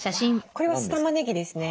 これは酢たまねぎですね。